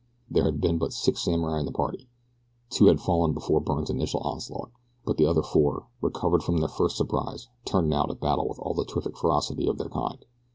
There had been but six samurai in the party, two had fallen before Byrne's initial onslaught, but the other four, recovered from their first surprise, turned now to battle with all the terrific ferocity of their kind.